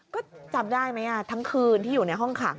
ก็จำได้ไหมทั้งคืนที่อยู่ในห้องขัง